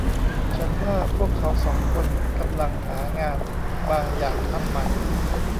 ฉันว่าพวกเขาสองคนกำลังหางานบางอย่างทำใหม่